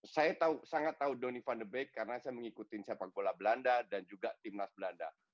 saya sangat tahu donny van the back karena saya mengikuti sepak bola belanda dan juga timnas belanda